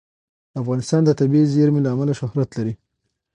افغانستان د طبیعي زیرمې له امله شهرت لري.